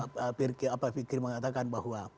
pak erifki mengatakan bahwa